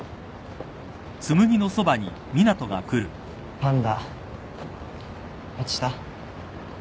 パンダ落ちた？